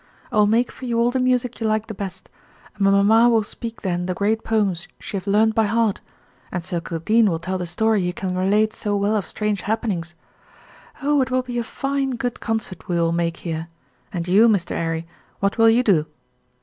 I will make for you all the music you like the best, and mamma will speak then the great poems she have learned by head, and Sir Kildene will tell the story he can relate so well of strange happenings. Oh, it will be a fine, good concert we will make here and you, Mr. 'Arry, what will you do?"